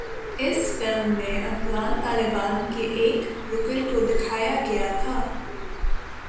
اس film میں افغان طالبان کے ایک رکن کو دکھایا گیا تھا